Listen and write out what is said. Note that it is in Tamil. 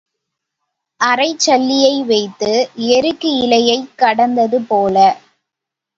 அரைச் சல்லியை வைத்து எருக்கு இலையைக் கடந்ததுபோல.